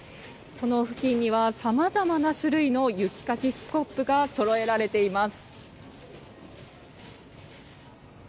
その付近には、さまざまな種類の雪かきスコップがそろえられています。